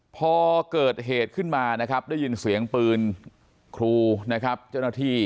พอเกิดเหตุขึ้นมานะครับได้ยินเสียงปืนครูนะครับเจ้าหน้าที่